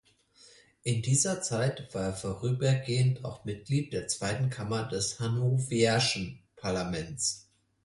In dieser Zeit war er vorübergehend auch Mitglied der zweiten Kammer des hannoverschen Parlamentes.